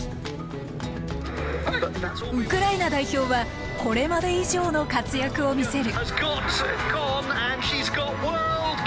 ウクライナ代表はこれまで以上の活躍を見せる。